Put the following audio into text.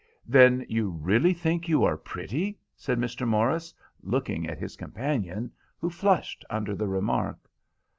"Then you really think you are pretty?" said Mr. Morris, looking at his companion, who flushed under the remark.